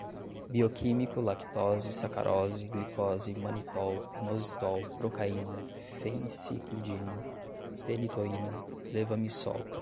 bioquímico, lactose, sacarose, glicose, manitol, inositol, procaína, fenciclidina, fenitoína, levamisol